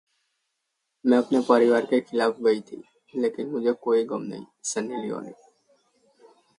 मैं अपने परिवार के खिलाफ गई थी, लेकिन मुझे कोई गम नहीं: सनी लियोनी